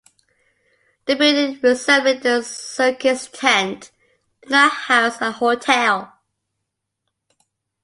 The building, resembling a circus tent, did not house a hotel.